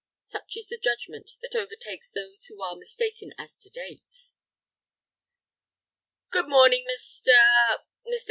Such is the judgment that overtakes those who are mistaken as to dates. "Good morning, Mr.—Mr.